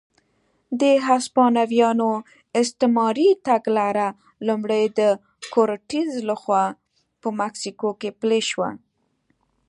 د هسپانویانو استعماري تګلاره لومړی د کورټز لخوا په مکسیکو کې پلې شوه.